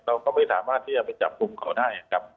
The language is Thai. เราก็ไม่สามารถที่จะไปจับกลุ่มเขาได้ครับ